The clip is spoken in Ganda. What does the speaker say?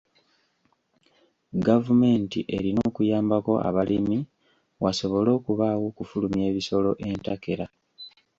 Gavumenti erina okuyambako abalimi wasobole okubaawo okufulumya ebisolo entakera.